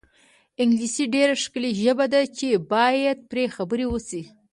انګلیسي ډېره ښکلې ژبه ده چې باید پرې خبرې وشي.